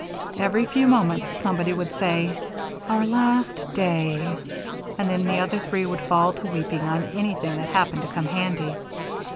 Every few moments somebody would say: "Our last day," and then the other three would fall to weeping on anything that happened to come handy.